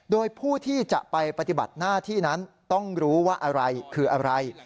โดยผู้ที่จะไปปฏิบัติหน้าที่นั้นต้องรู้ว่าอะไรคืออะไร